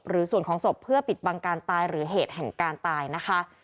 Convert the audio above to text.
หรือส่วนของศพเพื่อปิดบังการตายหรือเหตุแห่งการตายนะคะ